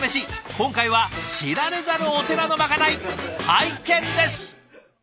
今回は知られざるお寺のまかない拝見です。